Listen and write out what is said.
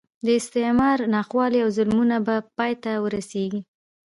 د استعمار ناخوالې او ظلمونه به پای ته ورسېږي.